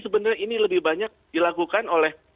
sebenarnya ini lebih banyak dilakukan oleh